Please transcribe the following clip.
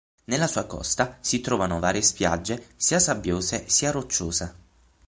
Nella sua costa si trovano varie spiagge sia sabbiose sia rocciose.